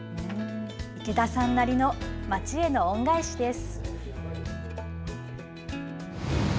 池田さんなりの町への恩返しです。